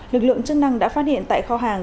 lực lượng chức năng đã phát hiện tại kho hàng